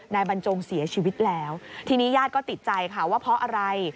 บรรจงเสียชีวิตแล้วทีนี้ญาติก็ติดใจค่ะว่าเพราะอะไร